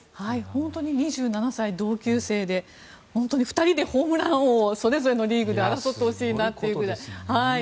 本当に２７歳、同級生で２人でホームラン王をそれぞれのリーグで争ってほしいなというくらい。